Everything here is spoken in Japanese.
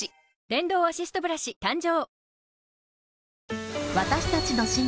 電動アシストブラシ誕生